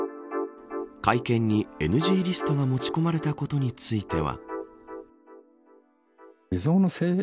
会見にＮＧリストが持ち込まれたことについては。